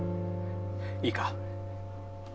いいか？